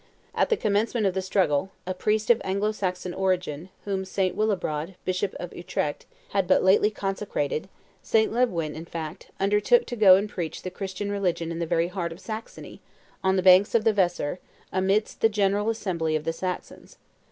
At the commencement of the struggle, a priest of Anglo Saxon origin, whom St. Willibrod, bishop of Utrecht, had but lately consecrated, St. Liebwin in fact, undertook to go and preach the Christian religion in the very heart of Saxony, on the banks of the Weser, amidst the general assembly of the Saxons.